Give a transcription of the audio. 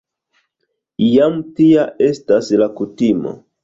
Jam tia estas la kutimo.